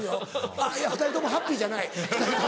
あっいや２人ともハッピーじゃない。